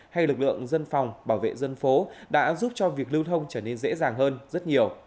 hay lực lượng dân phòng bảo vệ dân phố đã giúp cho việc lưu thông trở nên dễ dàng hơn rất nhiều